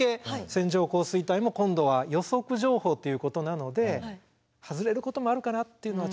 線状降水帯も今度は予測情報ということなので外れることもあるかなっていうのはちょっと注意して。